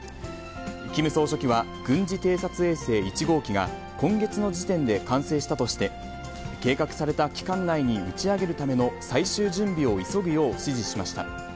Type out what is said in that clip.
キム総書記は、軍事偵察衛星１号機が、今月の時点で完成したとして、計画された期間内に打ち上げるための最終準備を急ぐよう指示しました。